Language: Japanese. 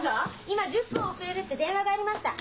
今１０分遅れるって電話がありました。